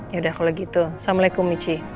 ya udah kalau gitu assalamualaikum michi